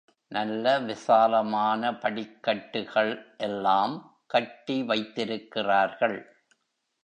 நல்ல விசாலமான படிக்கட்டுகள் எல்லாம் கட்டி வைத்திருக்கிறார்கள்.